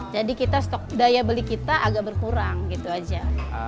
jadi kita stok daya beli kita agak berkurang gitu aja